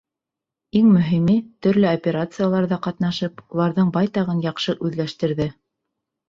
Иң мөһиме — төрлө операцияларҙа ҡатнашып, уларҙың байтағын яҡшы үҙләштерҙе.